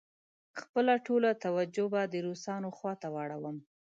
خپله ټوله توجه به د روسانو خواته واړوم.